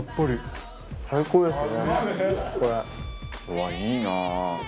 うわっいいな。